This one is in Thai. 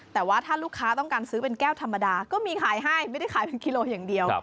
แต่ว่าถ้าลูกค้าต้องการซื้อเป็นแก้วธรรมดาก็มีขายให้ไม่ได้ขายเป็นกิโลอย่างเดียว